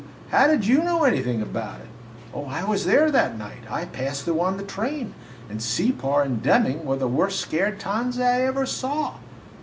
How did you know anything about it?" "Oh, I was there that night. I passed through on the train, and Separ and Deming were the worst scared towns I ever saw."